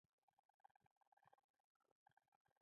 انا د خوږو دعاوو ملکه ده